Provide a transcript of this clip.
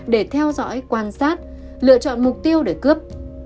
để theo dõi quan sát lựa chọn mục tiêu để cướp